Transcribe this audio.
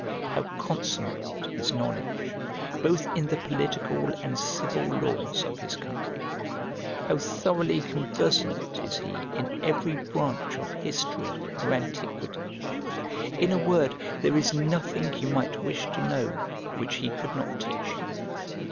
How consummate his knowledge, both in the political and civil laws of his country! How thoroughly conversant is he in every branch of history or antiquity? In a word, there is nothing you might wish to know which he could not teach you.